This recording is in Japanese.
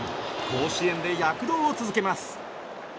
甲子園で躍動を続けます。